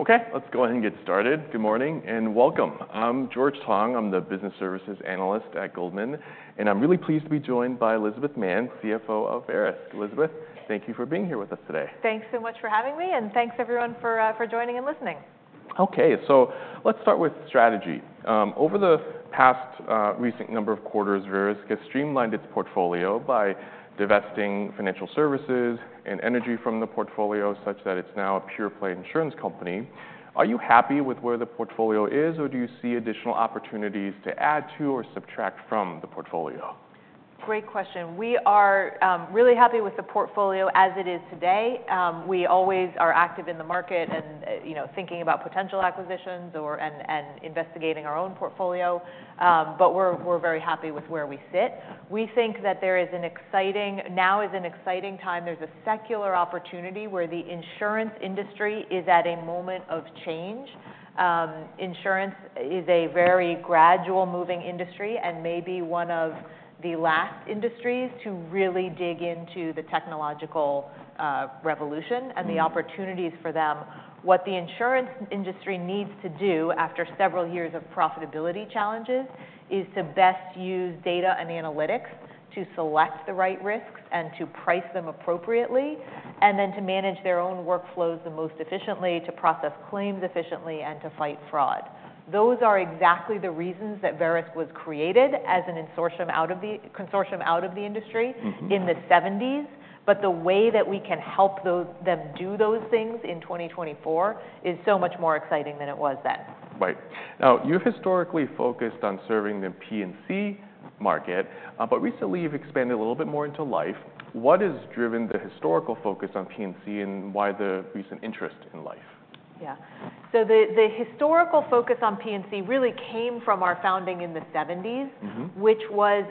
Okay, let's go ahead and get started. Good morning, and welcome. I'm George Tong. I'm the Business Services Analyst at Goldman, and I'm really pleased to be joined by Elizabeth Mann, CFO of Verisk. Elizabeth, thank you for being here with us today. Thanks so much for having me, and thanks everyone for joining and listening. Okay, so let's start with strategy. Over the past, recent number of quarters, Verisk has streamlined its portfolio by divesting financial services and energy from the portfolio, such that it's now a pure-play insurance company. Are you happy with where the portfolio is, or do you see additional opportunities to add to or subtract from the portfolio? Great question. We are really happy with the portfolio as it is today. We always are active in the market and, you know, thinking about potential acquisitions and investigating our own portfolio. But we're very happy with where we sit. We think that now is an exciting time. There's a secular opportunity where the insurance industry is at a moment of change. Insurance is a very gradual moving industry and may be one of the last industries to really dig into the technological revolution. Mm-hmm and the opportunities for them. What the insurance industry needs to do after several years of profitability challenges is to best use data and analytics to select the right risks and to price them appropriately, and then to manage their own workflows the most efficiently, to process claims efficiently, and to fight fraud. Those are exactly the reasons that Verisk was created as a consortium out of the industry. Mm-hmm, mm-hmm in the 1970s, but the way that we can help those do those things in 2024 is so much more exciting than it was then. Right. Now, you've historically focused on serving the P&C market, but recently you've expanded a little bit more into life. What has driven the historical focus on P&C, and why the recent interest in life? Yeah. So the historical focus on P&C really came from our founding in the '70s- Mm-hmm... which was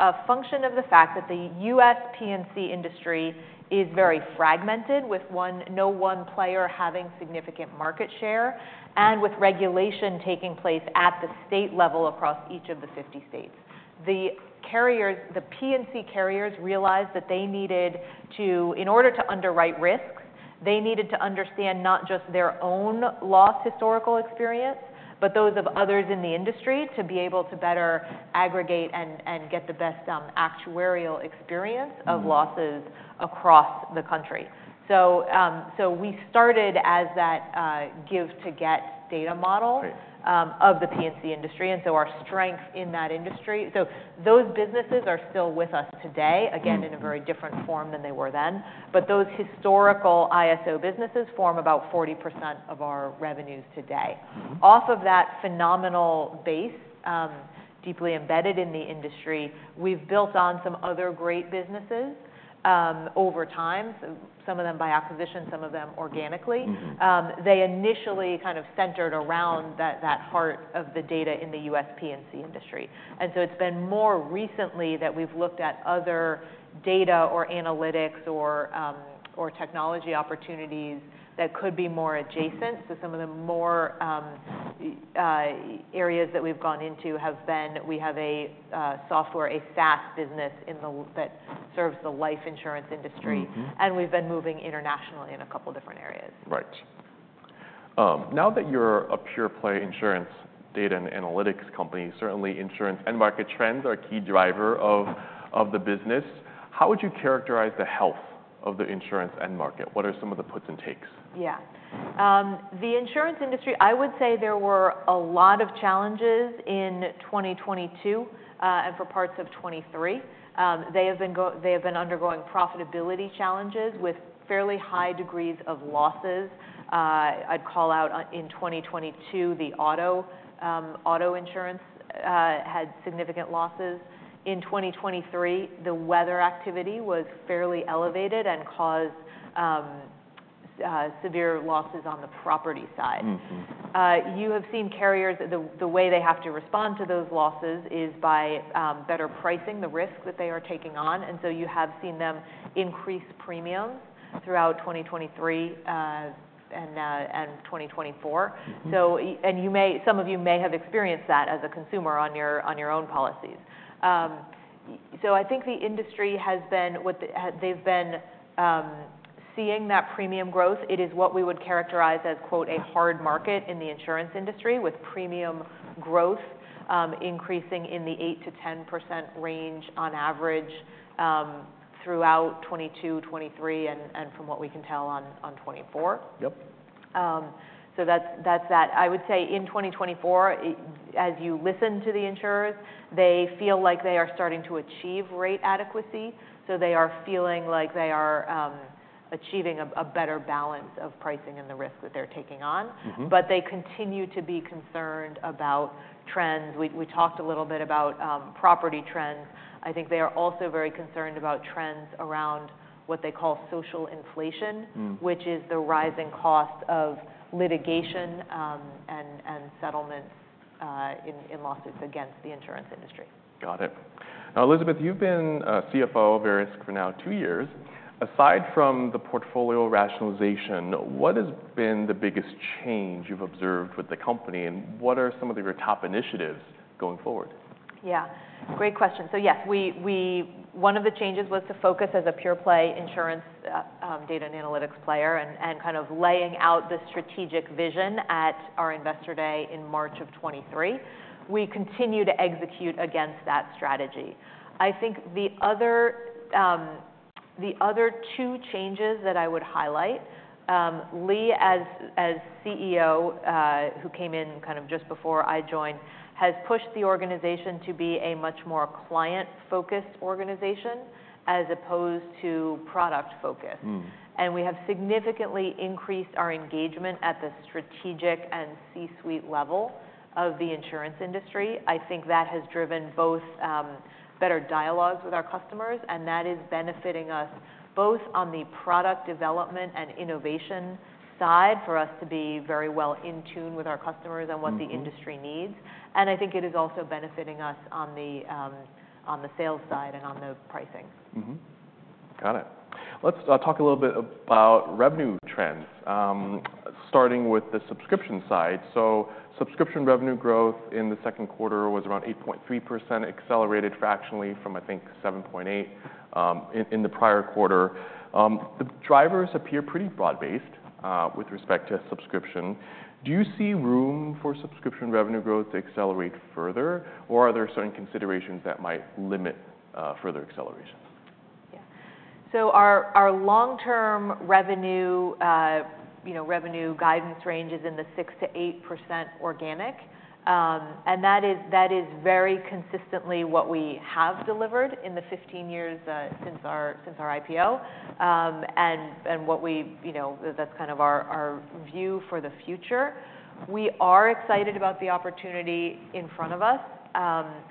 a function of the fact that the U.S. P&C industry is very fragmented, with no one player having significant market share, and with regulation taking place at the state level across each of the fifty states. The carriers, the P&C carriers realized that they needed to. In order to underwrite risks, they needed to understand not just their own loss historical experience, but those of others in the industry, to be able to better aggregate and get the best actuarial experience. Mm-hmm of losses across the country. So we started as that give-to-get data model- Right of the P&C industry, and so our strength in that industry. So those businesses are still with us today- Mm-hmm... again, in a very different form than they were then. But those historical ISO businesses form about 40% of our revenues today. Mm-hmm. Off of that phenomenal base, deeply embedded in the industry, we've built on some other great businesses over time, so some of them by acquisition, some of them organically. Mm-hmm. They initially kind of centered around that, that heart of the data in the U.S. P&C industry. And so it's been more recently that we've looked at other data or analytics or, or technology opportunities that could be more adjacent. So some of the more, areas that we've gone into have been, we have a, software, a SaaS business in the that serves the life insurance industry. Mm-hmm. We've been moving internationally in a couple different areas. Right. Now that you're a pure play insurance data and analytics company, certainly insurance end market trends are a key driver of the business. How would you characterize the health of the insurance end market? What are some of the puts and takes? Yeah. The insurance industry, I would say there were a lot of challenges in 2022, and for parts of 2023. They have been undergoing profitability challenges with fairly high degrees of losses. I'd call out, in 2022, the auto insurance had significant losses. In 2023, the weather activity was fairly elevated and caused severe losses on the property side. Mm-hmm. You have seen carriers, the way they have to respond to those losses is by better pricing the risk that they are taking on, and so you have seen them increase premiums throughout 2023 and 2024. Mm-hmm. So and you may, some of you may have experienced that as a consumer on your, on your own policies. So I think the industry has been, they've been seeing that premium growth, it is what we would characterize as, quote, "a hard market" in the insurance industry, with premium growth increasing in the 8%-10% range on average, throughout 2022, 2023, and from what we can tell, on 2024. Yep. So that's that. I would say in 2024, as you listen to the insurers, they feel like they are starting to achieve rate adequacy, so they are feeling like they are achieving a better balance of pricing and the risk that they're taking on. Mm-hmm. But they continue to be concerned about trends. We talked a little bit about property trends. I think they are also very concerned about trends around what they call social inflation. Mm... which is the rising cost of litigation, and settlements, in lawsuits against the insurance industry. Got it. Now, Elizabeth, you've been CFO of Verisk for now two years. Aside from the portfolio rationalization, what has been the biggest change you've observed with the company, and what are some of your top initiatives going forward?... Yeah, great question. So yes, we one of the changes was to focus as a pure play insurance data and analytics player, and kind of laying out the strategic vision at our investor day in March of 2023. We continue to execute against that strategy. I think the other two changes that I would highlight, Lee, as CEO, who came in kind of just before I joined, has pushed the organization to be a much more client-focused organization as opposed to product focused. Mm. And we have significantly increased our engagement at the strategic and C-suite level of the insurance industry. I think that has driven both, better dialogues with our customers, and that is benefiting us both on the product development and innovation side, for us to be very well in tune with our customers. Mm-hmm -and what the industry needs. And I think it is also benefiting us on the sales side and on the pricing. Mm-hmm. Got it. Let's talk a little bit about revenue trends, starting with the subscription side. So subscription revenue growth in the second quarter was around 8.3%, accelerated fractionally from, I think, 7.8 in the prior quarter. The drivers appear pretty broad-based, with respect to subscription. Do you see room for subscription revenue growth to accelerate further, or are there certain considerations that might limit further acceleration? Yeah. So our long-term revenue, you know, revenue guidance range is in the 6%-8% organic. That is very consistently what we have delivered in the 15 years since our IPO. And what we... You know, that's kind of our view for the future. We are excited about the opportunity in front of us.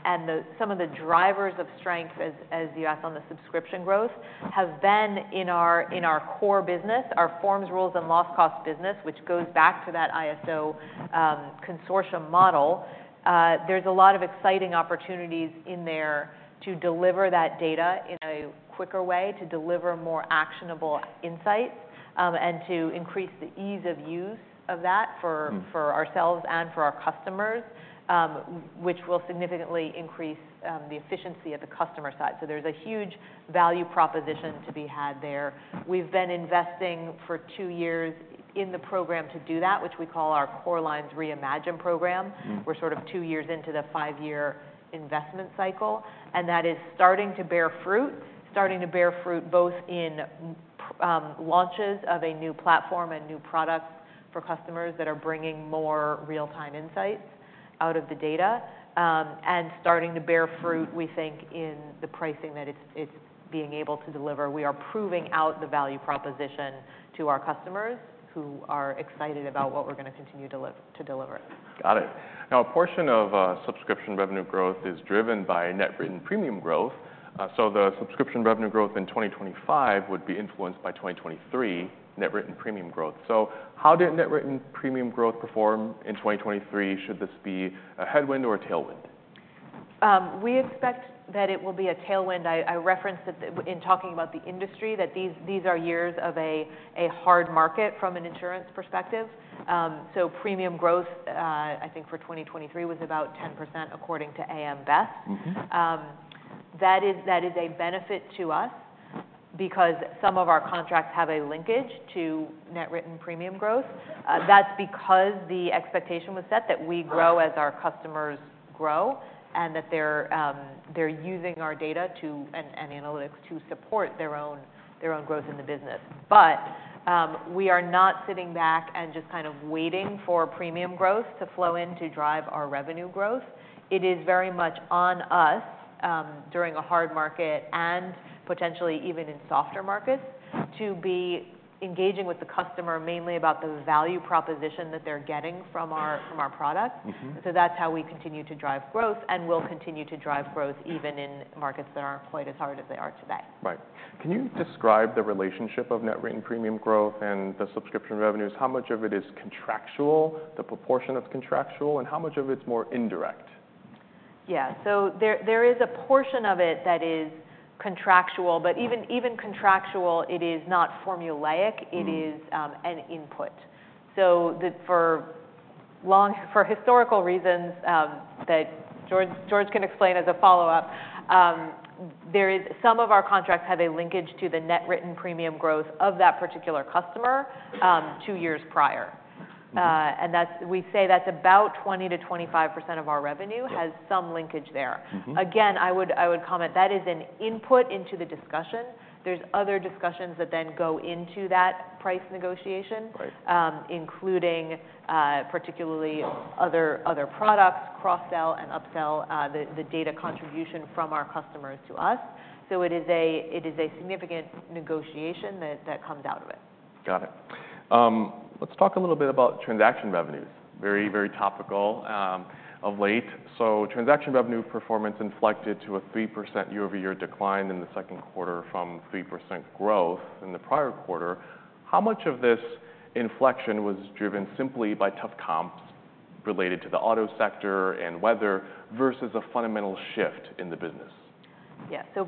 And some of the drivers of strength, as you asked on the subscription growth, have been in our core business, our forms, rules, and loss costs business, which goes back to that ISO consortium model. There's a lot of exciting opportunities in there to deliver that data in a quicker way, to deliver more actionable insights, and to increase the ease of use of that for- Mm -for ourselves and for our customers, which will significantly increase the efficiency at the customer side. So there's a huge value proposition to be had there. We've been investing for two years in the program to do that, which we call our Core Lines Reimagine program. Mm. We're sort of two years into the five-year investment cycle, and that is starting to bear fruit. Starting to bear fruit both in launches of a new platform and new products for customers that are bringing more real-time insights out of the data, and starting to bear fruit, we think, in the pricing that it's being able to deliver. We are proving out the value proposition to our customers, who are excited about what we're gonna continue to deliver. Got it. Now, a portion of subscription revenue growth is driven by net written premium growth. So the subscription revenue growth in 2025 would be influenced by 2023 net written premium growth. So how did net written premium growth perform in 2023? Should this be a headwind or a tailwind? We expect that it will be a tailwind. I referenced it in talking about the industry, that these are years of a hard market from an insurance perspective. So premium growth, I think for 2023, was about 10%, according to AM Best. Mm-hmm. That is, that is a benefit to us because some of our contracts have a linkage to net written premium growth. That's because the expectation was set that we grow as our customers grow, and that they're using our data and analytics to support their own growth in the business. But we are not sitting back and just kind of waiting for premium growth to flow in to drive our revenue growth. It is very much on us during a hard market and potentially even in softer markets to be engaging with the customer mainly about the value proposition that they're getting from our products. Mm-hmm. So that's how we continue to drive growth and will continue to drive growth even in markets that aren't quite as hard as they are today. Right. Can you describe the relationship of net written premium growth and the subscription revenues? How much of it is contractual, the proportion of contractual, and how much of it's more indirect? Yeah. So there is a portion of it that is contractual, but even contractual, it is not formulaic- Mm... it is an input. So for historical reasons that George can explain as a follow-up, there is. Some of our contracts have a linkage to the net written premium growth of that particular customer two years prior. Mm. and we say that's about 20%-25% of our revenue. Right... has some linkage there. Mm-hmm. Again, I would comment, that is an input into the discussion. There's other discussions that then go into that price negotiation- Right... including, particularly other products, cross-sell and upsell, the data contribution from our customers to us. So it is a significant negotiation that comes out of it. Got it. Let's talk a little bit about transaction revenues. Very, very topical, of late. So transaction revenue performance inflected to a 3% year-over-year decline in the second quarter from 3% growth in the prior quarter. How much of this inflection was driven simply by tough comps related to the auto sector and weather versus a fundamental shift in the business? Yeah. So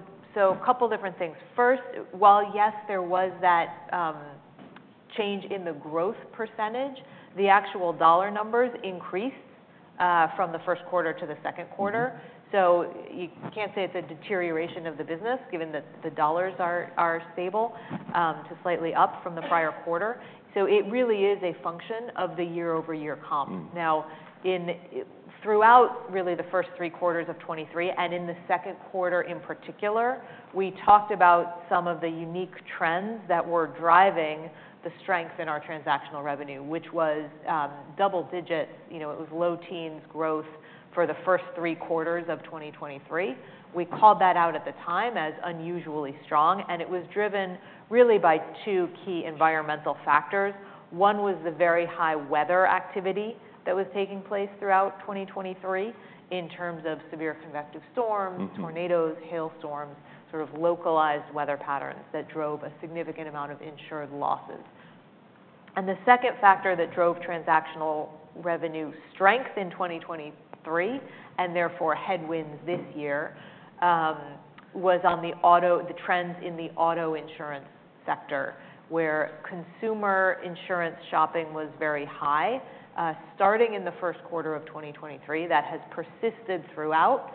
a couple different things. First, while, yes, there was that change in the growth percentage, the actual dollar numbers increased from the first quarter to the second quarter. So you can't say it's a deterioration of the business, given that the dollars are stable to slightly up from the prior quarter. So it really is a function of the year-over-year comp. Mm. Now, throughout really the first three quarters of 2023, and in the second quarter in particular, we talked about some of the unique trends that were driving the strength in our transactional revenue, which was double digit. You know, it was low teens growth for the first three quarters of 2023. We called that out at the time as unusually strong, and it was driven really by two key environmental factors. One was the very high weather activity that was taking place throughout 2023, in terms of severe convective storms. Mm-hmm. Tornadoes, hailstorms, sort of localized weather patterns that drove a significant amount of insured losses. The second factor that drove transactional revenue strength in 2023, and therefore headwinds this year, was on the trends in the auto insurance sector, where consumer insurance shopping was very high. Starting in the first quarter of 2023, that has persisted throughout,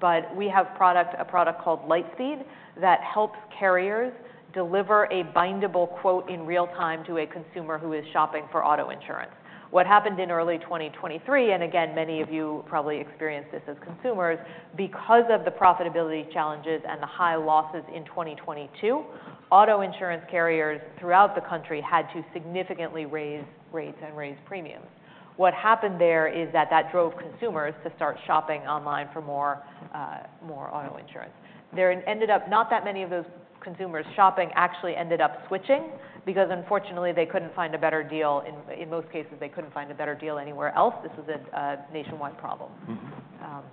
but we have a product called LightSpeed that helps carriers deliver a bindable quote in real time to a consumer who is shopping for auto insurance. What happened in early 2023, and again, many of you probably experienced this as consumers, because of the profitability challenges and the high losses in 2022, auto insurance carriers throughout the country had to significantly raise rates and raise premiums. What happened there is that that drove consumers to start shopping online for more, more auto insurance. There ended up not that many of those consumers shopping actually ended up switching, because unfortunately, they couldn't find a better deal, in most cases, they couldn't find a better deal anywhere else. This is a nationwide problem. Mm-hmm.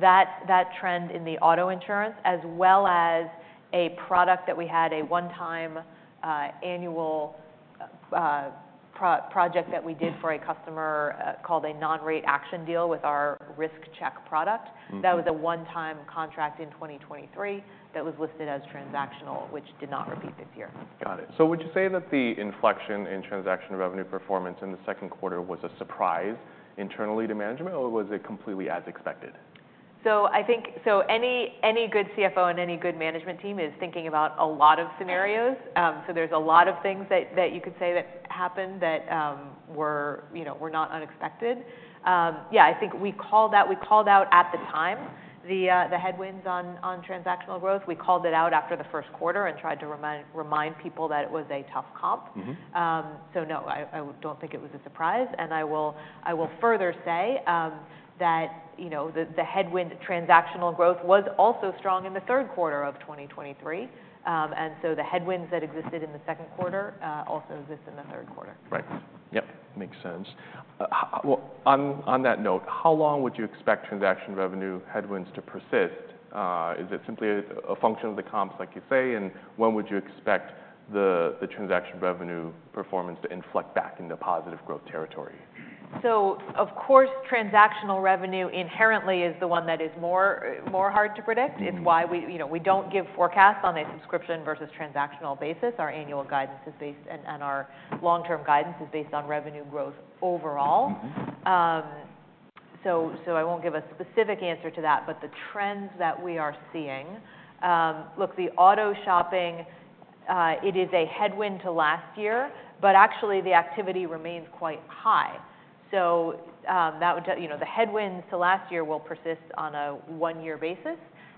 That trend in the auto insurance, as well as a product that we had, a one-time annual project that we did for a customer, called a non-rate action deal with our RiskCheck product. Mm-hmm. That was a one-time contract in 2023 that was listed as transactional, which did not repeat this year. Got it. So would you say that the inflection in transaction revenue performance in the second quarter was a surprise internally to management, or was it completely as expected? So any good CFO and any good management team is thinking about a lot of scenarios. So there's a lot of things that you could say that happened that were, you know, not unexpected. Yeah, I think we called out at the time the headwinds on transactional growth. We called it out after the first quarter and tried to remind people that it was a tough comp. Mm-hmm. So no, I don't think it was a surprise, and I will further say that you know the headwind transactional growth was also strong in the third quarter of 2023. And so the headwinds that existed in the second quarter also exist in the third quarter. Right. Yep, makes sense. Well, on that note, how long would you expect transaction revenue headwinds to persist? Is it simply a function of the comps, like you say, and when would you expect the transaction revenue performance to inflect back into positive growth territory? Of course, transactional revenue inherently is the one that is more hard to predict. Mm-hmm. It's why we, you know, we don't give forecasts on a subscription versus transactional basis. Our annual guidance is based, and our long-term guidance is based on revenue growth overall. Mm-hmm. So, so I won't give a specific answer to that, but the trends that we are seeing. Look, the auto shopping, it is a headwind to last year, but actually the activity remains quite high. So, that would tell, you know, the headwinds to last year will persist on a one-year basis,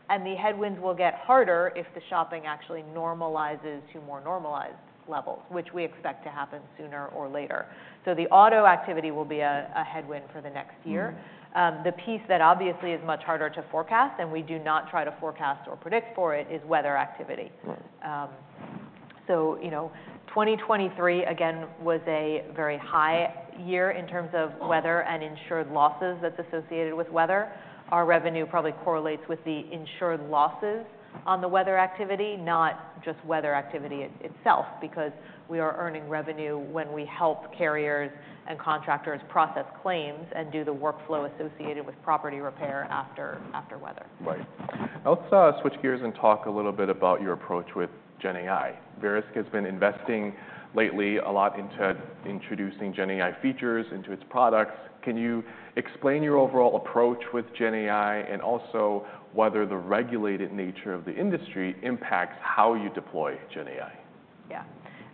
and the headwinds will get harder if the shopping actually normalizes to more normalized levels, which we expect to happen sooner or later. So the auto activity will be a headwind for the next year. Mm. The piece that obviously is much harder to forecast, and we do not try to forecast or predict for it, is weather activity. Right. You know, 2023, again, was a very high year in terms of weather and insured losses that's associated with weather. Our revenue probably correlates with the insured losses on the weather activity, not just weather activity itself, because we are earning revenue when we help carriers and contractors process claims and do the workflow associated with property repair after weather. Right. Let's switch gears and talk a little bit about your approach with GenAI. Verisk has been investing lately a lot into introducing GenAI features into its products. Can you explain your overall approach with GenAI, and also whether the regulated nature of the industry impacts how you deploy GenAI? Yeah.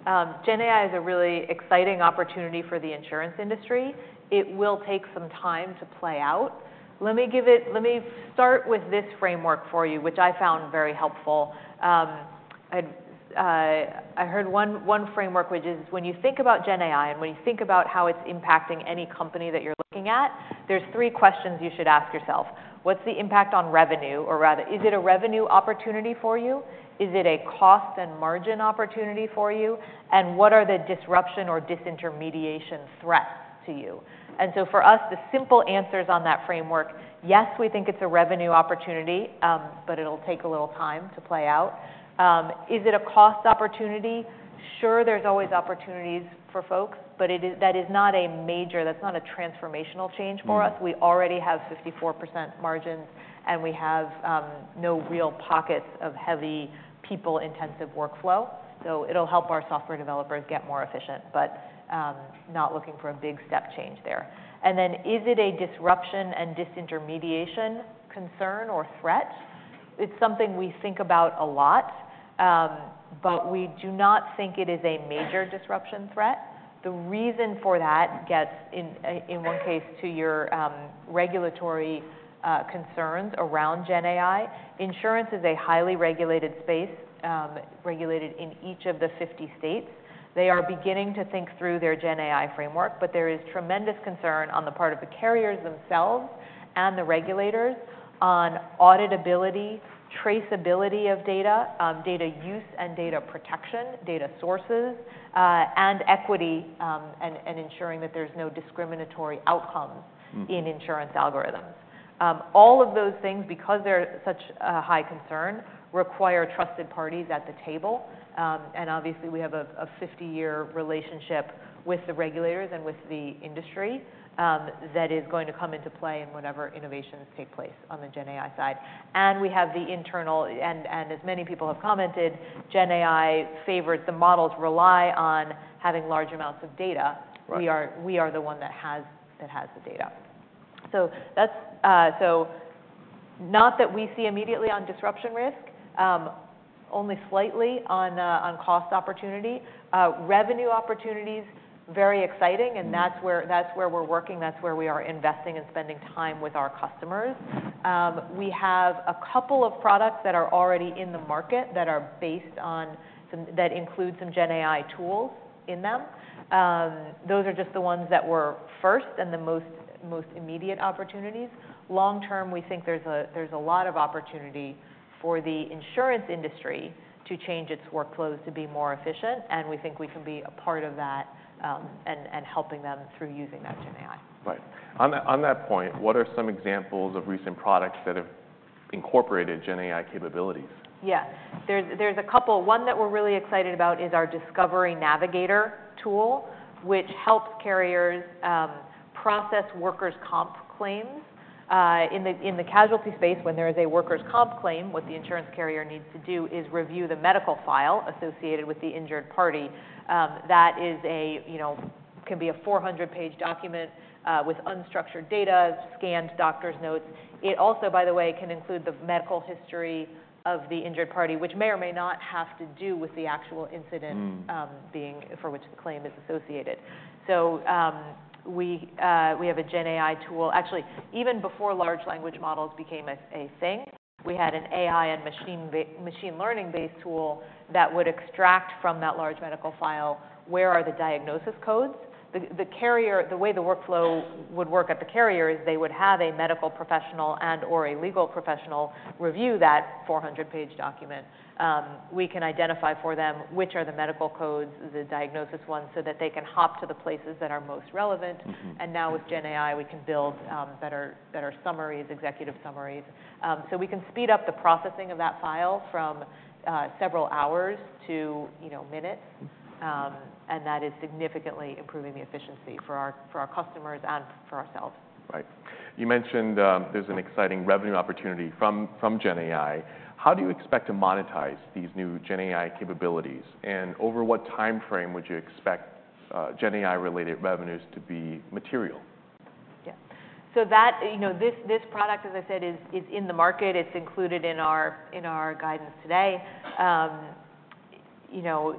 GenAI is a really exciting opportunity for the insurance industry. It will take some time to play out. Let me start with this framework for you, which I found very helpful. I heard one framework, which is when you think about GenAI, and when you think about how it's impacting any company that you're looking at, there's three questions you should ask yourself: What's the impact on revenue? Or rather, is it a revenue opportunity for you? Is it a cost and margin opportunity for you? And what are the disruption or disintermediation threats to you? And so for us, the simple answers on that framework, yes, we think it's a revenue opportunity, but it'll take a little time to play out. Is it a cost opportunity?... Sure, there's always opportunities for folks, but it is, that is not a major, that's not a transformational change for us. Mm. We already have 54% margins, and we have no real pockets of heavy people-intensive workflow, so it'll help our software developers get more efficient, but not looking for a big step change there, and then is it a disruption and disintermediation concern or threat? It's something we think about a lot, but we do not think it is a major disruption threat. The reason for that gets in, in one case, to your regulatory concerns around GenAI. Insurance is a highly regulated space, regulated in each of the 50 states. They are beginning to think through their GenAI framework, but there is tremendous concern on the part of the carriers themselves and the regulators on auditability, traceability of data, data use and data protection, data sources, and equity and ensuring that there's no discriminatory outcomes. Mm In insurance algorithms. All of those things, because they're such a high concern, require trusted parties at the table. And obviously, we have a fifty-year relationship with the regulators and with the industry, that is going to come into play in whatever innovations take place on the GenAI side. And we have the internal... And as many people have commented, GenAI favors the models rely on having large amounts of data. Right. We are the one that has the data. So that's not that we see immediately on disruption risk, only slightly on cost opportunity. Revenue opportunities, very exciting- Mm. and that's where we're working, that's where we are investing and spending time with our customers. We have a couple of products that are already in the market that include some GenAI tools in them. Those are just the ones that were first and the most immediate opportunities. Long term, we think there's a lot of opportunity for the insurance industry to change its workflows to be more efficient, and we think we can be a part of that, and helping them through using that GenAI. Right. On that, on that point, what are some examples of recent products that have incorporated GenAI capabilities? Yeah. There's a couple. One that we're really excited about is our Discovery Navigator tool, which helps carriers process workers' comp claims. In the casualty space, when there is a workers' comp claim, what the insurance carrier needs to do is review the medical file associated with the injured party. That is a, you know, can be a 400-page document with unstructured data, scanned doctor's notes. It also, by the way, can include the medical history of the injured party, which may or may not have to do with the actual incident. Mm... being, for which the claim is associated. So, we have a GenAI tool. Actually, even before large language models became a thing, we had an AI and machine learning-based tool that would extract from that large medical file, where are the diagnosis codes? The carrier, the way the workflow would work at the carrier is they would have a medical professional and/or a legal professional review that 400-page document. We can identify for them which are the medical codes, the diagnosis one, so that they can hop to the places that are most relevant. Mm-hmm. Now, with GenAI, we can build better summaries, executive summaries. So we can speed up the processing of that file from several hours to, you know, minutes, and that is significantly improving the efficiency for our customers and for ourselves. Right. You mentioned there's an exciting revenue opportunity from GenAI. How do you expect to monetize these new GenAI capabilities, and over what time frame would you expect GenAI-related revenues to be material? Yeah. So that, you know, this product, as I said, is in the market. It's included in our guidance today. You know,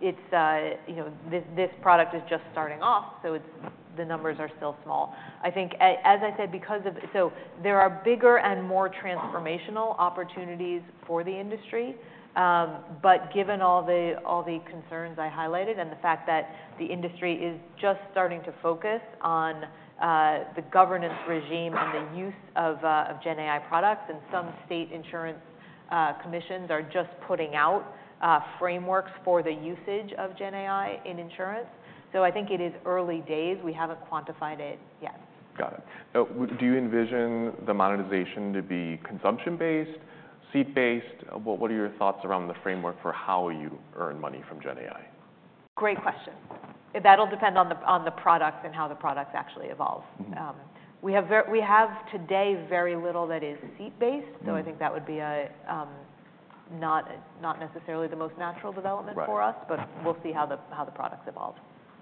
it's you know, this product is just starting off, so it's the numbers are still small. I think as I said, because of. So there are bigger and more transformational opportunities for the industry, but given all the concerns I highlighted and the fact that the industry is just starting to focus on the governance regime and the use of GenAI products, and some state insurance commissions are just putting out frameworks for the usage of GenAI in insurance. So I think it is early days. We haven't quantified it yet. Got it. What do you envision the monetization to be consumption-based, seat-based? What are your thoughts around the framework for how you earn money from GenAI? Great question. That'll depend on the products and how the products actually evolve. Mm. We have today very little that is seat-based. Mm So I think that would be not necessarily the most natural development for us. Right. But we'll see how the products evolve.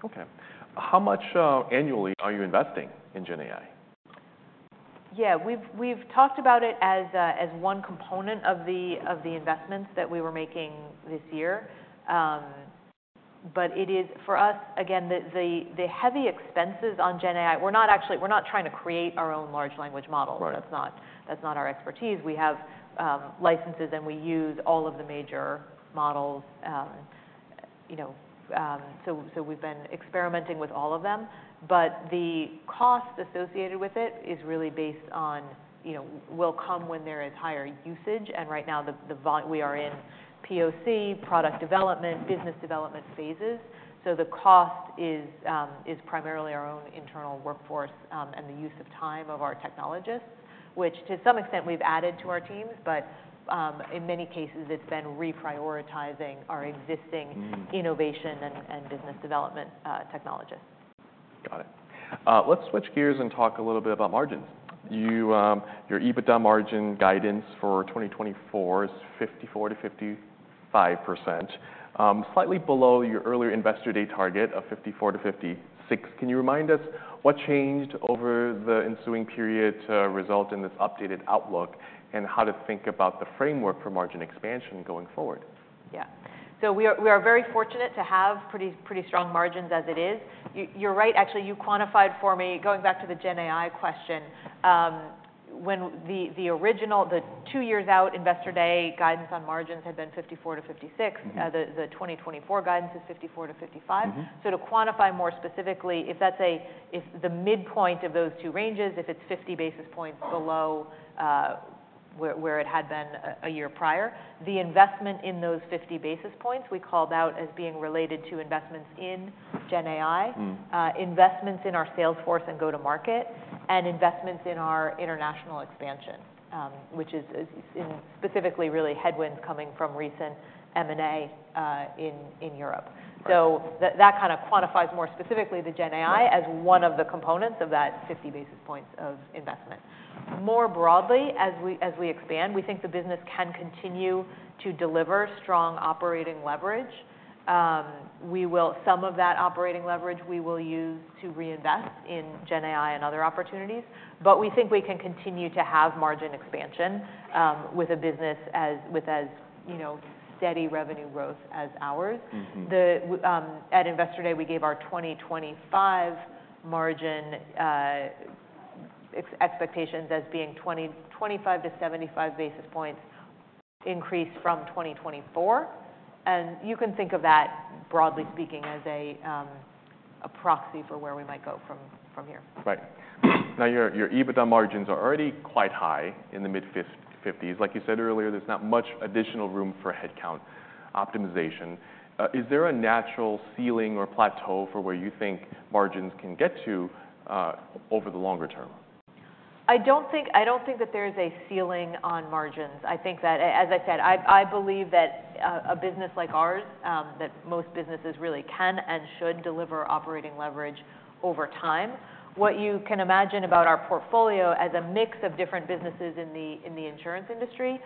Okay. How much annually are you investing in GenAI? Yeah. We've talked about it as one component of the investments that we were making this year. But it is... For us, again, the heavy expenses on GenAI, we're not actually- we're not trying to create our own large language model. Right. That's not our expertise. We have licenses, and we use all of the major models, you know, so we've been experimenting with all of them. But the cost associated with it is really based on, you know, will come when there is higher usage, and right now, we are in POC, product development, business development phases. So the cost is primarily our own internal workforce, and the use of time of our technologists, which to some extent, we've added to our teams, but in many cases, it's been reprioritizing our existing- Mm - innovation and business development, technologists.... Got it. Let's switch gears and talk a little bit about margins. You, your EBITDA margin guidance for 2024 is 54%-55%, slightly below your earlier Investor Day target of 54%-56%. Can you remind us what changed over the ensuing period to result in this updated outlook, and how to think about the framework for margin expansion going forward? Yeah. So we are very fortunate to have pretty strong margins as it is. You're right, actually. You quantified for me, going back to the GenAI question, when the original two years out Investor Day guidance on margins had been 54%-56%- Mm-hmm. The 2024 guidance is 54%-55%. Mm-hmm. So to quantify more specifically, if the midpoint of those two ranges is 50 basis points below where it had been a year prior, the investment in those 50 basis points we called out as being related to investments in GenAI. Mm. investments in our sales force and go-to-market, and investments in our international expansion, which is in, specifically, really headwinds coming from recent M&A in Europe. Right. So that kind of quantifies more specifically the GenAI- Right as one of the components of that fifty basis points of investment. More broadly, as we expand, we think the business can continue to deliver strong operating leverage. Some of that operating leverage, we will use to reinvest in GenAI and other opportunities. But we think we can continue to have margin expansion, with a business, you know, steady revenue growth as ours. Mm-hmm. At Investor Day, we gave our 2025 margin expectations as being 25-75 basis points increase from 2024, and you can think of that, broadly speaking, as a proxy for where we might go from here. Right. Now, your EBITDA margins are already quite high, in the mid-fifties. Like you said earlier, there's not much additional room for headcount optimization. Is there a natural ceiling or plateau for where you think margins can get to, over the longer term? I don't think that there is a ceiling on margins. I think that as I said, I believe that a business like ours, that most businesses really can and should deliver operating leverage over time. What you can imagine about our portfolio as a mix of different businesses in the insurance industry,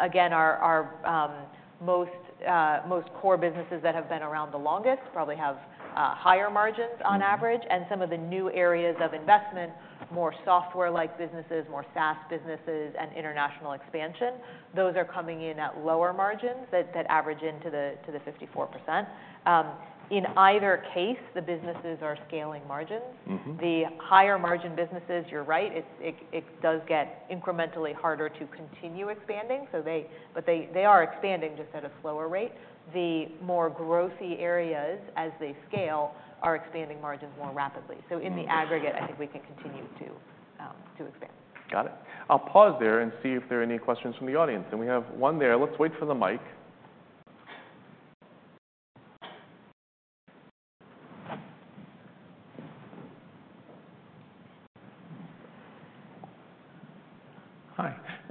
again, our most core businesses that have been around the longest probably have higher margins on average. Mm-hmm. And some of the new areas of investment, more software-like businesses, more SaaS businesses, and international expansion, those are coming in at lower margins that average into the 54%. In either case, the businesses are scaling margins. Mm-hmm. The higher margin businesses, you're right, it does get incrementally harder to continue expanding, so they. But they are expanding, just at a slower rate. The more growthy areas, as they scale, are expanding margins more rapidly. Mm. So in the aggregate, I think we can continue to expand. Got it. I'll pause there and see if there are any questions from the audience, and we have one there. Let's wait for the mic.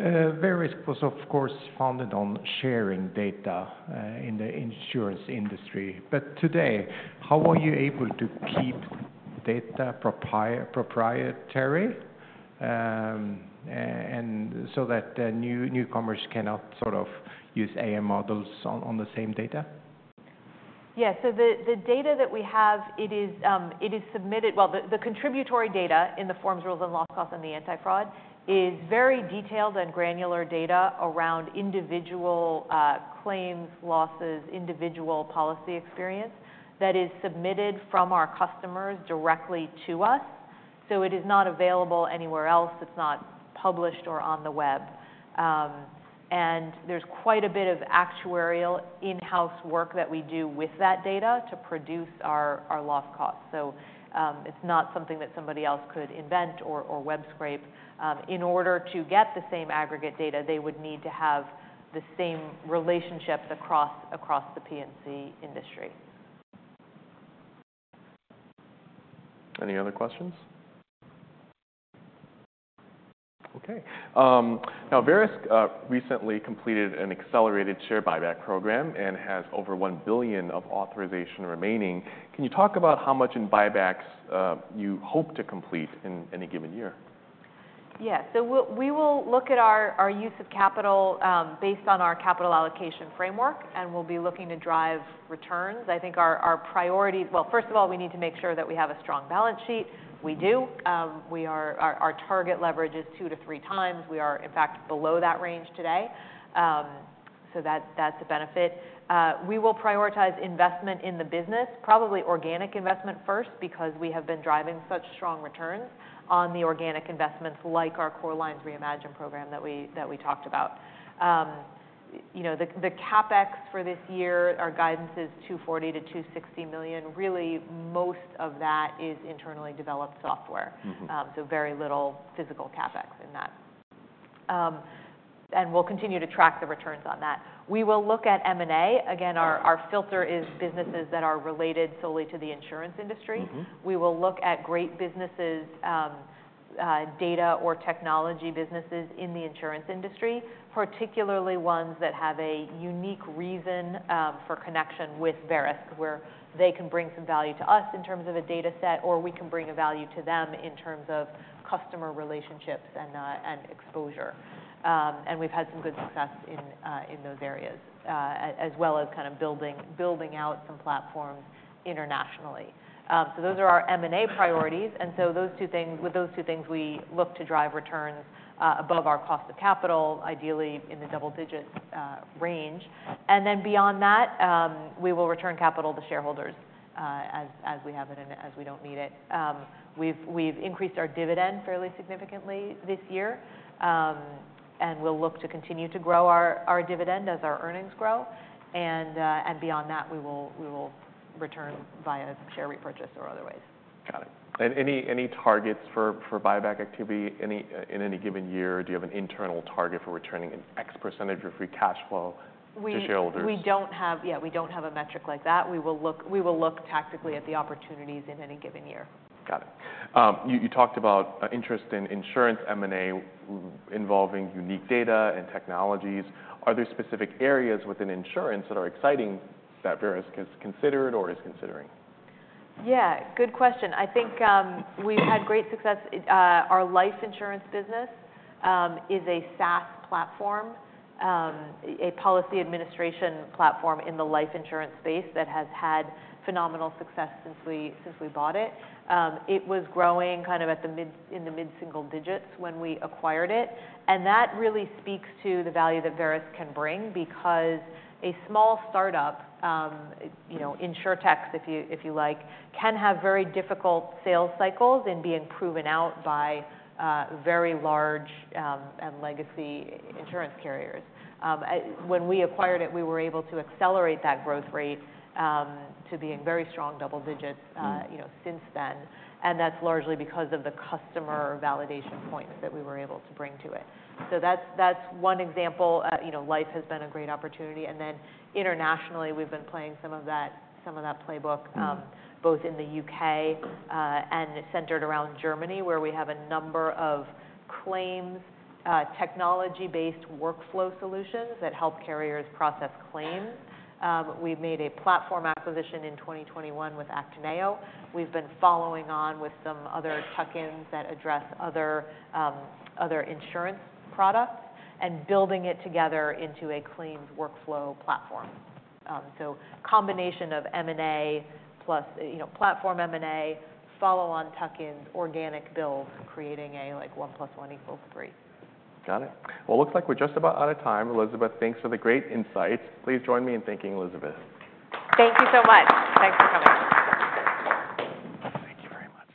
Hi. Verisk was, of course, founded on sharing data in the insurance industry. But today, how are you able to keep data proprietary, and so that the newcomers cannot sort of use AI models on the same data? Yeah. So the data that we have, it is submitted. Well, the contributory data in the forms, rules, and loss costs, and the anti-fraud is very detailed and granular data around individual claims, losses, individual policy experience that is submitted from our customers directly to us. So it is not available anywhere else. It's not published or on the web. And there's quite a bit of actuarial in-house work that we do with that data to produce our loss costs. So, it's not something that somebody else could invent or web scrape. In order to get the same aggregate data, they would need to have the same relationships across the P&C industry. Any other questions? Okay. Now, Verisk recently completed an accelerated share buyback program and has over $1 billion of authorization remaining. Can you talk about how much in buybacks you hope to complete in any given year? Yeah. So we'll look at our use of capital, based on our capital allocation framework, and we'll be looking to drive returns. I think our priority. Well, first of all, we need to make sure that we have a strong balance sheet. We do. We are. Our target leverage is two to three times. We are, in fact, below that range today, so that's a benefit. We will prioritize investment in the business, probably organic investment first, because we have been driving such strong returns on the organic investments, like our Core Lines Reimagine program that we talked about. You know, the CapEx for this year, our guidance is $240 million-$260 million. Really, most of that is internally developed software. Mm-hmm. So very little physical CapEx in that. And we'll continue to track the returns on that. We will look at M&A. Again, our filter is businesses that are related solely to the insurance industry. Mm-hmm. We will look at great businesses, data or technology businesses in the insurance industry, particularly ones that have a unique reason for connection with Verisk, where they can bring some value to us in terms of a data set, or we can bring a value to them in terms of customer relationships and exposure, and we've had some good success in those areas, as well as kind of building out some platforms internationally. So those are our M&A priorities, and with those two things, we look to drive returns above our cost of capital, ideally in the double digits range, and then beyond that, we will return capital to shareholders, as we have it, as we don't need it. We've increased our dividend fairly significantly this year, and we'll look to continue to grow our dividend as our earnings grow, and beyond that, we will return via share repurchase or other ways. Got it. And any targets for buyback activity? Any in any given year, do you have an internal target for returning an X% of your free cash flow to shareholders? Yeah, we don't have a metric like that. We will look tactically at the opportunities in any given year. Got it. You talked about interest in insurance M&A involving unique data and technologies. Are there specific areas within insurance that are exciting that Verisk has considered or is considering? Yeah, good question. I think we've had great success. Our life insurance business is a SaaS platform, a policy administration platform in the life insurance space that has had phenomenal success since we, since we bought it. It was growing kind of in the mid-single digits when we acquired it, and that really speaks to the value that Verisk can bring because a small start-up, you know, Insurtech, if you, if you like, can have very difficult sales cycles in being proven out by very large and legacy insurance carriers. When we acquired it, we were able to accelerate that growth rate to being very strong double digits, you know, since then, and that's largely because of the customer validation points that we were able to bring to it. So that's, that's one example. You know, life has been a great opportunity. And then internationally, we've been playing some of that playbook- Mm... both in the U.K., and centered around Germany, where we have a number of claims technology-based workflow solutions that help carriers process claims. We've made a platform acquisition in 2021 with Actineo. We've been following on with some other tuck-ins that address other insurance products and building it together into a claims workflow platform. So combination of M&A plus, you know, platform M&A, follow-on tuck-ins, organic build, creating a, like, 1+1=3. Got it. Well, looks like we're just about out of time. Elizabeth, thanks for the great insights. Please join me in thanking Elizabeth. Thank you so much. Thanks for coming. Thank you very much.